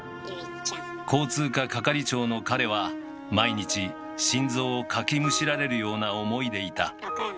交通課係長の彼は毎日心臓をかきむしられるような思いでいた。